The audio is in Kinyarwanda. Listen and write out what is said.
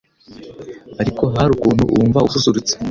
ariko hari ukuntu wumva ususurutse